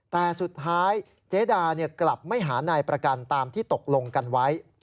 แต่สุดท้ายเจดากลับไม่หานายประกันตามที่ตกลงกันไว้